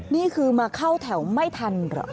นี่คือมาเข้าแถวไม่ทันเหรอ